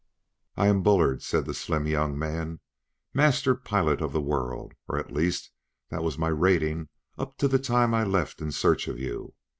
"I am Bullard," said the slim young man, "Master Pilot of the World or at least that was my rating up to the time I left in search of you.